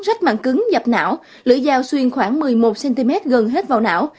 rách mạng cứng dập não lưỡi dao xuyên khoảng một mươi một cm gần hết vào não